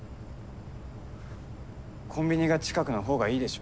コンビニが近くのほうがいいでしょ？